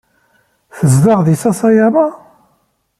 Tzedɣeḍ deg Sasayama?